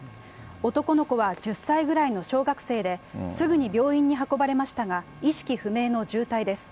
男の子は１０歳ぐらいの小学生で、すぐに病院に運ばれましたが、意識不明の重体です。